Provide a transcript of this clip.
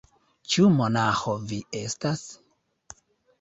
Ĉu monaĥo vi estas?